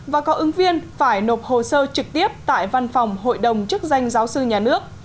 và có ứng viên phải nộp hồ sơ trực tiếp tại văn phòng hội đồng chức danh giáo sư nhà nước